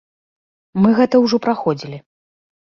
Мы гэта ўжо праходзілі.